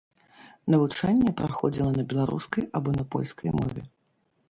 Навучанне праходзіла на беларускай або на польскай мове.